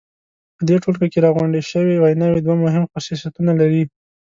په دې ټولګه کې راغونډې شوې ویناوی دوه مهم خصوصیتونه لري.